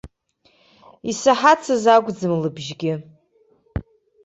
Исаҳацыз акәӡам лыбжьгьы!